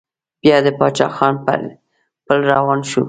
بيا د پاچا خان پر پل روان شو.